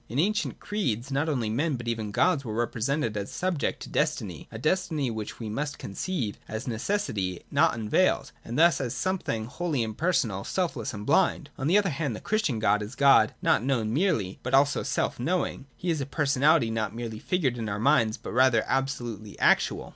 In the ancient creeds not only men, but even gods, were repre sented as subject to destiny (imrpaiiivav or ei/jap/xeVi;), a destiny which we must conceive as necessity not unveiled, and thus as something wholly impersonal, selfless, and blind. On the other hand, the Christian God is God not known merely, but also self knowing ; He is a personality not merely figured in our minds, but rather absolutely actual.